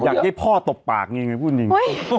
อยากให้พ่อตบปากนี่ไงพูดจริง